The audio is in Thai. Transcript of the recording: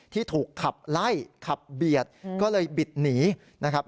ที่ถูกขับไล่ขับเบียดก็เลยบิดหนีนะครับ